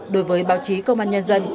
đối với báo chí công an nhân dân